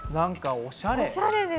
おしゃれ！